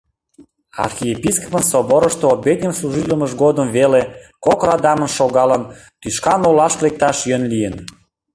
Архиепископын соборышто обедньым служитлымыж годым веле, кок радамын шогалын, тӱшкан олашке лекташ йӧн лийын.